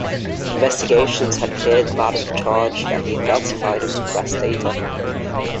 Investigations had cleared Mann of charges that he falsified or suppressed data.